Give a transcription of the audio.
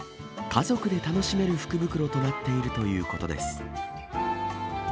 家族で楽しめる福袋となっているということです。